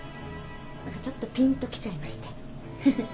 何かちょっとぴんときちゃいまして。